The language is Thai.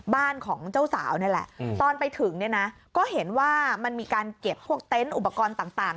บ้านของเจ้าสาวนี่แหละตอนไปถึงเนี่ยนะก็เห็นว่ามันมีการเก็บพวกเต็นต์อุปกรณ์ต่าง